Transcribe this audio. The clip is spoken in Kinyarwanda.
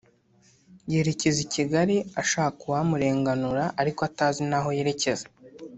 yerekeza i Kigali ashaka uwamurenganura ariko atazi n’aho yerekeza